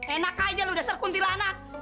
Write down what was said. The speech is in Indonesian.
enak aja lu dasar kuntilanak